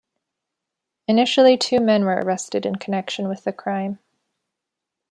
Initially, two men were arrested in connection with the crime.